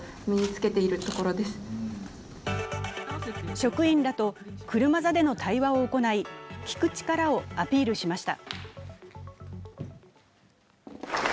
職員らと車座での対話を行い、聞く力をアピールしました。